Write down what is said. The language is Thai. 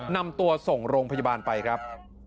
นำตัวส่งโรงพยาบาลไปครับ